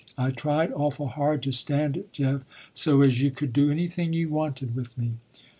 I tried awful hard to stand it, Jeff, so as you could do anything you wanted with me."